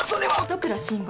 戸倉慎吾。